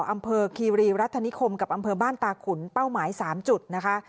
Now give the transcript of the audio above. อำเภอคีรีรัฐนิคมกับอำเภอบ้านตาขุนเป้าหมาย๓จุดนะคะ